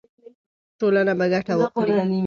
ټولنه به ګټه واخلي.